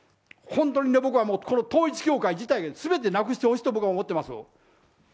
本当にね、僕は統一教会自体すべてなくなってほしいと僕は思っています。